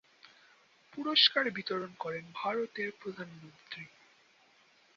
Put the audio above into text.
পুরস্কার বিতরণ করেন ভারতের প্রধানমন্ত্রী।